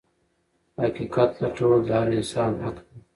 حقيقت لټول د هر انسان حق دی.